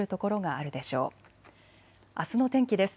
あすの天気です。